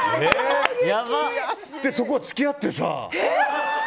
で、そこが付き合ってさ。